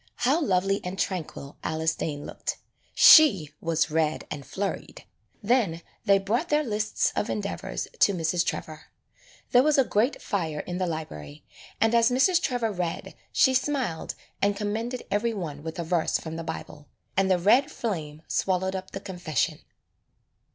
How lovely and tranquil Alice Dane looked. She was red and flurried. Then they brought their lists of endeavors to Mrs. Trevor. There was a grate fire in the library, and as Mrs. Trevor read she smiled and commended every one with a verse from the Bible, and the red flame swallowed up the confession.